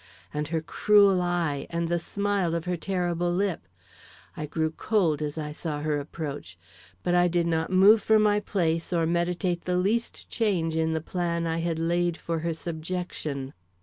and her cruel eye and the smile of her terrible lip. I grew cold as I saw her approach, but I did not move from my place or meditate the least change in the plan I had laid for her subjection.